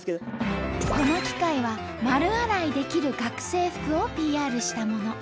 この機械は丸洗いできる学生服をＰＲしたもの。